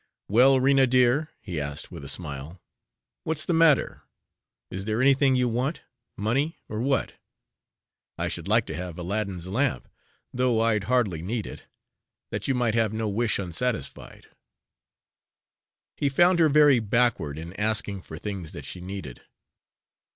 "Well, Rena, dear," he asked with a smile, "what's the matter? Is there anything you want money, or what? I should like to have Aladdin's lamp though I'd hardly need it that you might have no wish unsatisfied." He had found her very backward in asking for things that she needed.